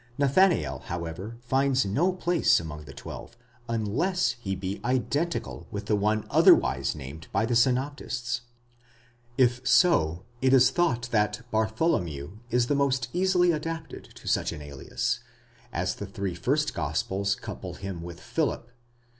Nathanael, however, finds no place among the twelve, unless he be identical with one otherwise named by the synoptists. If so, it is thought that Bartholomew is the most easily adapted to such an alias, as the three first gospels couple him with Philip